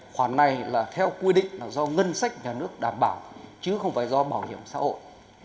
khoản này là theo quy định là do ngân sách nhà nước đảm bảo chứ không phải do bảo hiểm xã hội